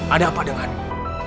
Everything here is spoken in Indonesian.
ada apa denganmu